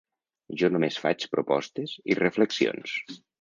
Jo només faig propostes i reflexions.